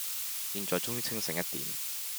現在終於清醒一點